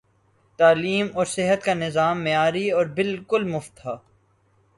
تعلیم اور صحت کا نظام معیاری اور بالکل مفت تھا۔